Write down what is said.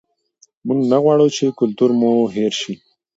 موږ نه غواړو چې کلتور مو هېر شي.